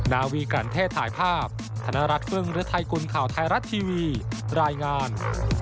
นาวีกรันเทศถ่ายภาพธนรัฐฟื้นหรือไทยกลุ่นข่าวไทรัฐทีวีรายงาน